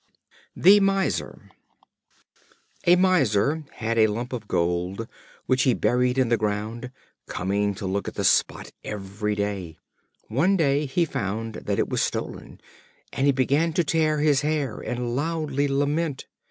The Miser. A Miser had a lump of gold which he buried in the ground, coming to look at the spot every day. One day he found that it was stolen, and he began to tear his hair and loudly lament.